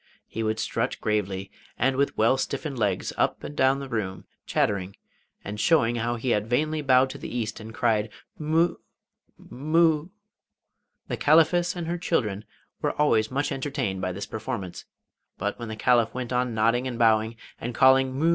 He would strut gravely, and with well stiffened legs, up and down the room, chattering, and showing how he had vainly bowed to the east and cried 'Mu...Mu...' The Caliphess and her children were always much entertained by this performance; but when the Caliph went on nodding and bowing, and calling 'Mu...